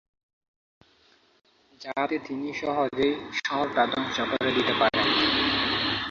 যাতে তিনি সহজেই শহরটা ধ্বংস করে দিতে পারেন।